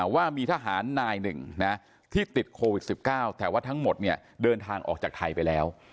ว่ามีทหารนายหนึ่งนะที่ติดโควิด๑๙แต่ว่าทั้งหมดเนี่ยเดินทางออกจากไทยไปแล้ว